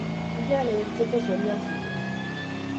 Gurpila lehertzeko zorian zegoen.